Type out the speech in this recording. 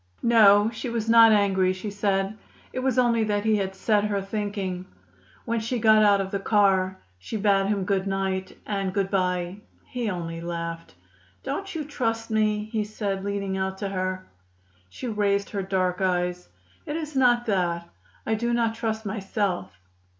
No, she was not angry, she said. It was only that he had set her thinking. When she got out of the car, she bade him good night and good bye. He only laughed. "Don't you trust me?" he said, leaning out to her. She raised her dark eyes. "It is not that. I do not trust myself."